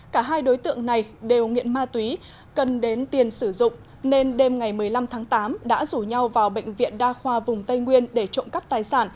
cả hai đối tượng này đều nghiện ma túy cần đến tiền sử dụng nên đêm ngày một mươi năm tháng tám đã rủ nhau vào bệnh viện đa khoa vùng tây nguyên để trộm cắp tài sản